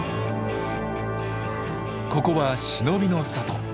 ここは忍びの里。